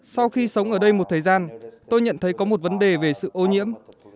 sau khi sống ở đây một thời gian tôi nhận thấy có một vấn đề về sự ô nhiễm